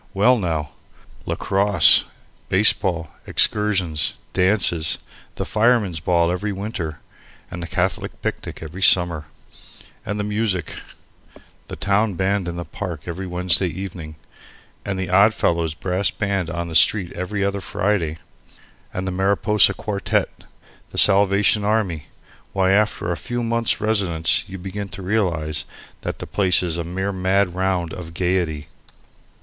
well, now! lacrosse, baseball, excursions, dances, the Fireman's Ball every winter and the Catholic picnic every summer; and music the town band in the park every Wednesday evening, and the Oddfellows' brass band on the street every other Friday; the Mariposa Quartette, the Salvation Army why, after a few months' residence you begin to realize that the place is a mere mad round of gaiety.